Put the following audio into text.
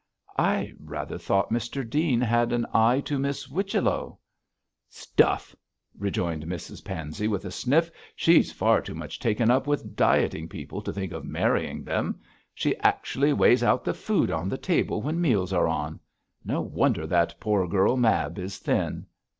'I rather thought Mr Dean had an eye to Miss Whichello.' 'Stuff!' rejoined Mrs Pansey, with a sniff. 'She's far too much taken up with dieting people to think of marrying them. She actually weighs out the food on the table when meals are on. No wonder that poor girl Mab is thin.'